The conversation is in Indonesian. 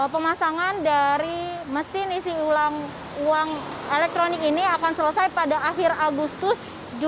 pemasangan dari mesin isi ulang uang elektronik ini akan selesai pada akhir agustus dua ribu dua puluh